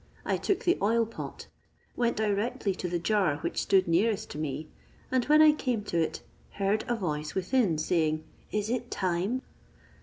I took the oil pot, went directly to the jar which stood nearest to me; and when I came to it, heard a voice within, saying, 'Is it time?'